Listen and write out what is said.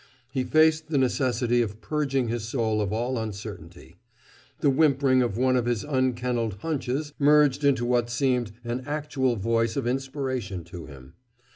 He faced the necessity of purging his soul of all uncertainty. The whimpering of one of his unkenneled "hunches" merged into what seemed an actual voice of inspiration to him.